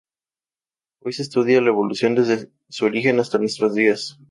Hoy se estudia la Evolución desde su origen hasta nuestros días.